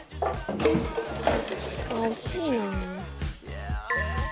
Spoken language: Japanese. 惜しいな。